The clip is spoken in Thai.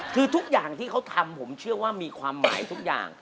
คือทุกอย่างที่เขาทำผมเชื่อว่ามีความหมายทุกอย่าง